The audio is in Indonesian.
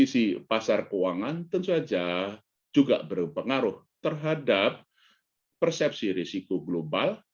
dari sisi pasar keuangan tentu saja juga berpengaruh terhadap persepsi risiko global